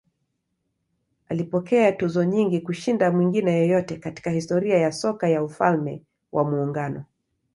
Alipokea tuzo nyingi kushinda mwingine yeyote katika historia ya soka ya Ufalme wa Muungano.